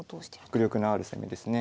迫力のある攻めですね。